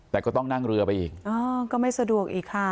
แต่ก็ต้องนั่งเรือไปอีกอ๋อก็ไม่สะดวกอีกค่ะ